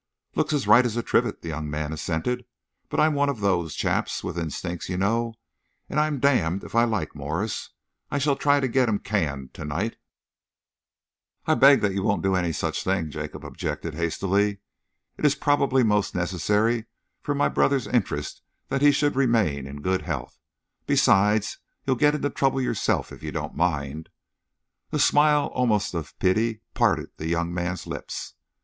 "Looks as right as a trivet," the young man assented, "but I'm one of those chaps with instincts, you know, and I'm damned if I like Morse. I shall try and get him canned to night." "I beg that you won't do any such thing," Jacob objected hastily. "It is probably most necessary for my brother's interests that he should remain in good health. Besides, you'll get into trouble yourself if you don't mind." A smile almost of pity parted the young man's lips.